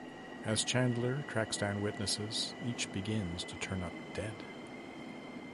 As Chandler tracks down witnesses, each begins to turn up dead.